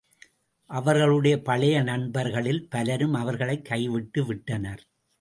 அவர்களுடைய பழைய நண்பர்களில் பலரும் அவர்களைக் கைவிட்டுவிட்டனர்.